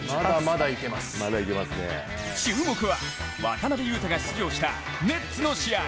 注目は渡邊雄太が出場したネッツの試合。